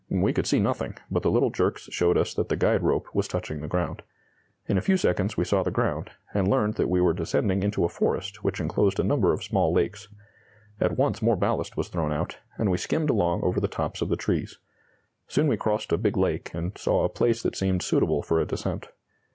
We could see nothing, but the little jerks showed us that the guide rope was touching the ground. In a few seconds we saw the ground, and learned that we were descending into a forest which enclosed a number of small lakes. At once more ballast was thrown out, and we skimmed along over the tops of the trees. Soon we crossed a big lake, and saw a place that seemed suitable for a descent.